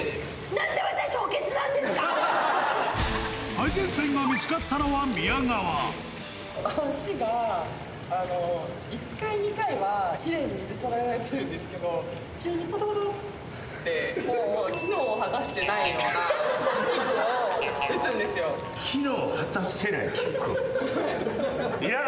なんで私、改善点が見つかったのは、足が、あの、１回、２回はきれいに水を捉えられてるんですけれども、急にぱたぱたって機能を果たしていないようなキックを打つんです機能を果たしてないキック？